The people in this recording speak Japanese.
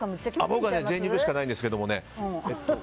僕は贅肉しかないんですけど。